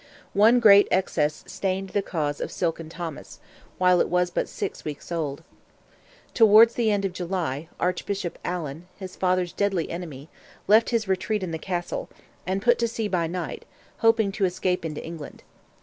One great excess stained the cause of "Silken Thomas," while it was but six weeks old. Towards the end of July, Archbishop Allan, his father's deadly enemy, left his retreat in the Castle, and put to sea by night, hoping to escape into England.